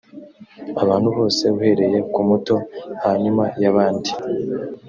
abantu bose uhereye ku muto hanyuma y abandi